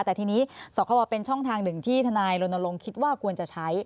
แต่ทีนี้สคบเป็นช่องทางหนึ่งที่ทนายรณรงค์คิดว่าควรจะใช้